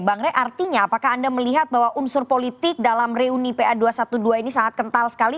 bang rey artinya apakah anda melihat bahwa unsur politik dalam reuni pa dua ratus dua belas ini sangat kental sekali